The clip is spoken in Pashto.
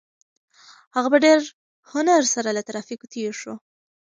هغه په ډېر هنر سره له ترافیکو تېر شو.